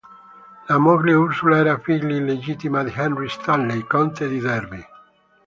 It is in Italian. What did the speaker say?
La moglie Ursula era figlia illegittima di Henry Stanley, conte di Derby.